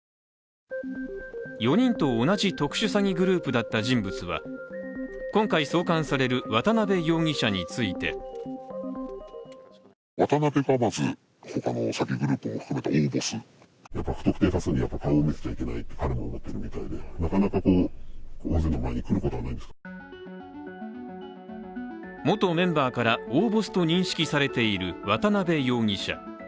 ４人と同じ特殊詐欺グループだった人物は今回送還される渡辺容疑者について元メンバーから大ボスと認識されている渡辺容疑者。